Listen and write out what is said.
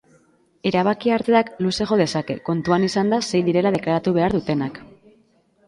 Erabakia hartzeak luze jo dezake, kontutan izanda sei direla deklaratu behar dutenak.